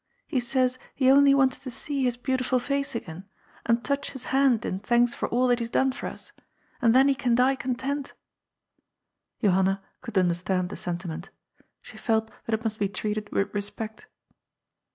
He says he only wants to see his beautiful face again, and touch his hand in thanks for all that he's done for us, and then he can die content" Johanna could understand the sentiment She felt that it must be treated with respect.